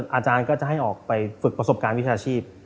อาจารย์ก็จะให้ออกไปฝึกประสบการณ์วิชาชีพ